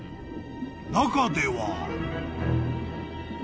［中では］